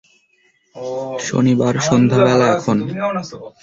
শনিবার সন্ধ্যাবেলা এখন।